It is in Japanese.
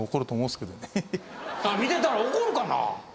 見てたら怒るかな？